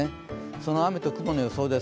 その雨と雲の予想です。